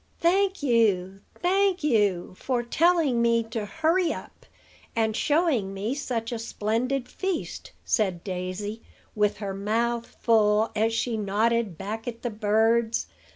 "Thank you, thank you, for telling me to hurry up, and showing me such a splendid feast," said Daisy, with her mouth full, as she nodded back at the birds.